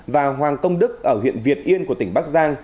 và hoàng công đức ở huyện việt yên của tỉnh bắc giang